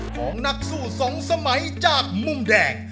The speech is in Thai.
ของนักสู้สองสมัยจากมุมแดง